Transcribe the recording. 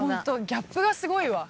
ギャップがすごいわ。